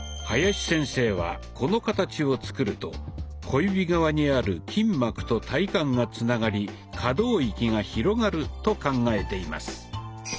林先生はこの形を作ると小指側にある筋膜と体幹がつながり可動域が広がると考えています。